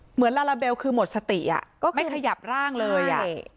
เหมือนลาลาเบลคือหมดสติไม่ขยับร่างเลย